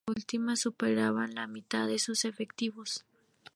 Las bajas en esta última superaban la mitad de sus efectivos.